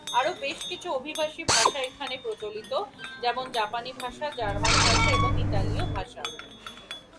আরও বেশ কিছু অভিবাসী ভাষা এখানে প্রচলিত, যেমন জাপানি ভাষা, জার্মান ভাষা এবং ইতালীয় ভাষা।